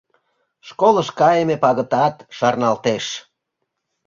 Школыш кайыме пагытат шарналтеш.